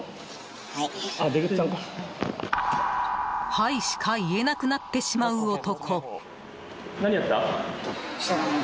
「はい」しか言えなくなってしまう男。